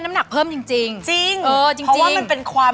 หนันทีหนันทีได้